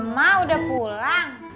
ma udah pulang